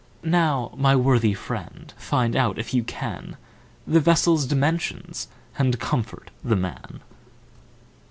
Now my worthy friend, find out, if you can, The vessel's dimensions and comfort the man!